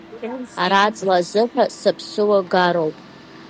Араҵла азыҳәа, саԥсыуа гароуп!